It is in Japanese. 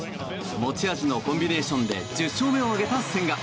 持ち味のコンビネーションで１０勝目を挙げた千賀。